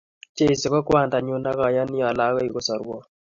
Jeiso ko kwandanyu ak ayani ale akoi kosorwon